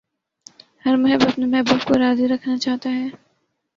ہر محب اپنے محبوب کو راضی رکھنا چاہتا ہے۔